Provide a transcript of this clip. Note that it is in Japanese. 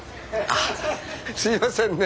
あすいませんね。